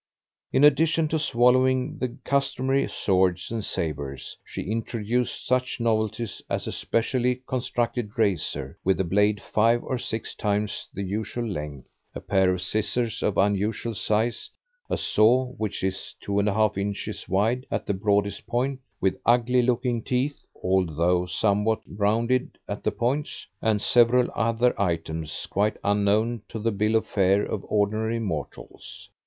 In addition to swallowing the customary swords and sabers she introduced such novelties as a specially constructed razor, with a blade five or six times the usual length, a pair of scissors of unusual size, a saw which is 2 1/2 inches wide at the broadest point, with ugly looking teeth, although somewhat rounded at the points, and several other items quite unknown to the bill of fare of ordinary mortals.